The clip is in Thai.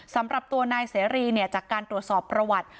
สำหรับตัวนายเสรีจากการตรวจสอบประวัติ